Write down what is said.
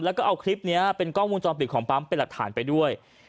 แล้วก็เอาคลิปนี้เป็นกล้องวงจรปิดของปั๊มเป็นหลักฐานไปด้วย